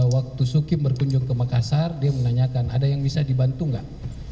waktu suki berkunjung ke makassar dia menanyakan ada yang bisa dibantu nggak